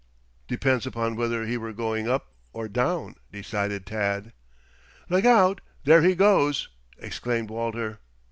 "Depends upon whether he were going up or down," decided Tad. "Look out! There he goes!" exclaimed Walter.